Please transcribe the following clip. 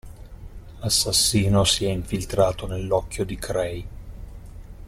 L‘assassino si è infiltrato nell‘occhio di Cray.